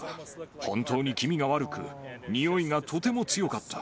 本当に気味が悪く、臭いがとても強かった。